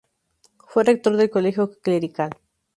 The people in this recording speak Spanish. Fue rector del Colegio Clerical.